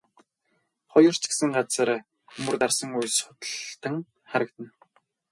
Хоёр ч хэсэг газар мөр дарсан үе судалтан харагдана.